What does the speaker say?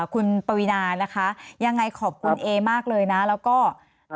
คุณปวีนานะคะยังไงขอบคุณเอมากเลยนะแล้วก็